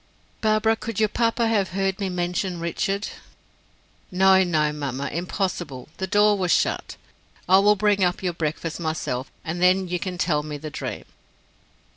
"Barbara, could your papa have heard me mention Richard?" "No, no, mamma impossible: the door was shut. I will bring up your breakfast myself and then you can tell me the dream."